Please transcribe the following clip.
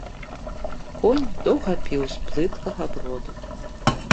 Конь доўга піў з плыткага броду.